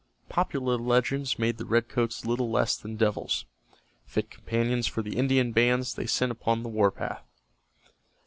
Popular legends made the Redcoats little less than devils, fit companions for the Indian bands they sent upon the war path.